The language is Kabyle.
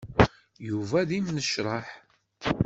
Yuba d imnecṛaḥ.